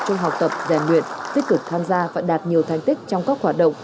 trong học tập rèn luyện tích cực tham gia và đạt nhiều thành tích trong các hoạt động